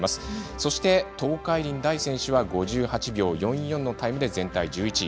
そして、東海林大選手は５８秒４４のタイムで全体１１位。